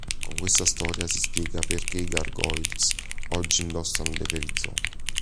Con questa storia si spiega perché i gargoyles, oggi, indossano dei perizoma.